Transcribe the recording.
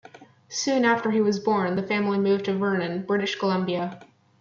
Soon after he was born, the family moved to Vernon, British Columbia.